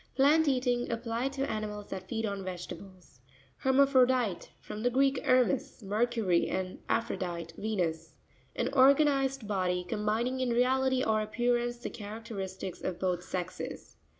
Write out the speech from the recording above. Plant eating ; applied to animals that feed on vegetables. Herma'Puropite.—From the Greek, ermes, Mercury, and aphrodite, Venus. An organized body, com bining in reality or appearance the characteristics of both sexes.